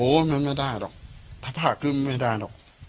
มันไม่ได้หรอกถ้าผ้าขึ้นไม่ได้หรอก